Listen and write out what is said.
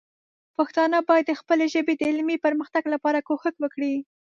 پښتانه باید د خپلې ژبې د علمي پرمختګ لپاره کوښښ وکړي.